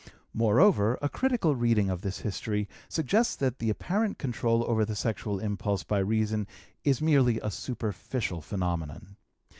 Moreover, a critical reading of this history suggests that the apparent control over the sexual impulse by reason is merely a superficial phenomenon.